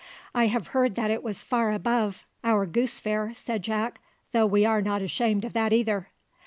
"I have heard that it was far above our Goose Fair," said Jack, "though we are not ashamed of that either."